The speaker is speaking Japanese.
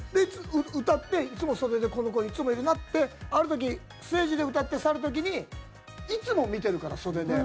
歌って、いつも袖でこの子、いつもいるなってある時、ステージで歌って去る時にいつも見てるから、袖で。